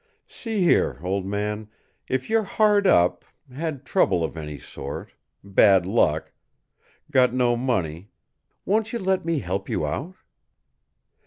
"See here, old man, if you're hard up had trouble of any sort bad luck got no money won't you let me help you out?"